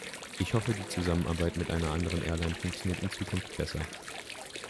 Ich hoffe, die Zusammenarbeit mit einer anderen Airline funktioniert in Zukunft besser.